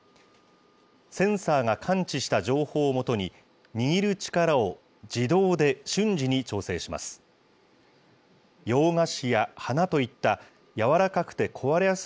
センサーが感知した情報を基に、握る力を自動で、瞬時に調整します。